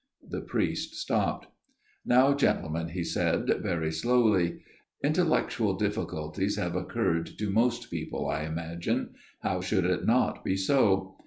The priest stopped. " Now, gentlemen," he said very slowly. " Intellectual difficulties have occurred to most people, I imagine. How should it not be so